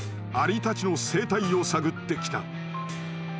アリたちの生態を探ってきた。